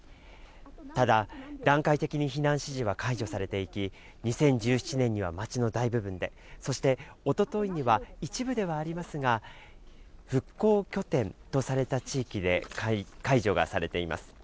ただ、段階的に避難指示は解除されていき、２０１７年には町の大部分で、そして、おとといには一部ではありますが、復興拠点とされた地域で解除がされています。